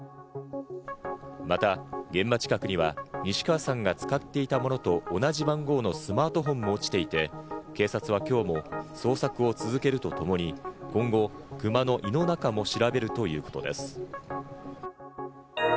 また現場近くには西川さんが使っていたものと同じ番号のスマートフォンも落ちていて、警察はきょうも捜索を続けるとともに、今後、クマの胃の中も調べるということです。